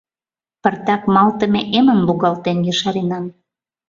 Пыртак малтыме эмым лугалтен ешаренам.